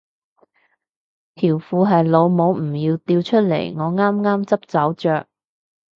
條褲係老母唔要掉出嚟我啱啱執走着